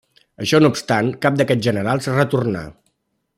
Això no obstant, cap d'aquests generals retornà.